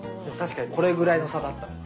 確かにこれぐらいの差だった。